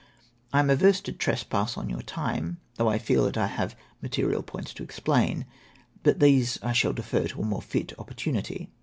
I am averse to trespass on your time, though I feel that I have material points to explain ; but these I shall defer to a more tit opportunity.